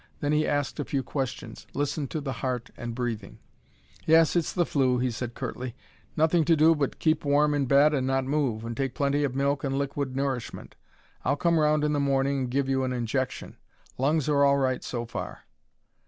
Then he asked a few questions: listened to the heart and breathing. "Yes, it's the flu," he said curtly. "Nothing to do but to keep warm in bed and not move, and take plenty of milk and liquid nourishment. I'll come round in the morning and give you an injection. Lungs are all right so far."